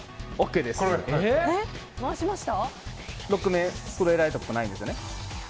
６面そろえられたことないんですよね？